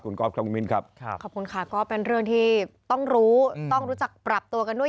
ขอบคุณค่ะก็เป็นเรื่องที่ต้องรู้ต้องรู้จักปรับตัวกันด้วย